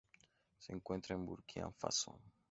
Se encuentra en Burkina Faso.